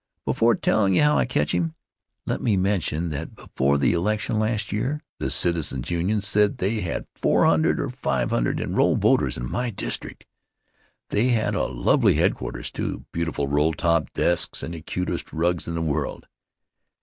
Before telling you how I catch him, let me mention that before the election last year, the Citizens' Union said they had four hundred or five hundred enrolled voters in my district. They had a lovely headquarters, too, beautiful roll top desks and the cutest rugs in the world.